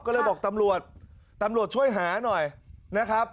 ก็เลยบอกตำรวจตำรวจช่วยหาหน่อยนะครับ